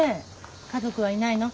家族はいないの？